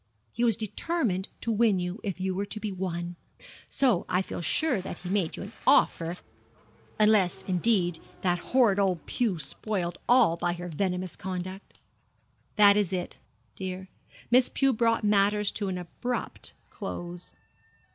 He was determined to win you if you were to be won. So I feel sure that he made you an offer, unless, indeed, that horrid old Pew spoiled all by her venomous conduct.' 'That is it, dear. Miss Pew brought matters to an abrupt close.'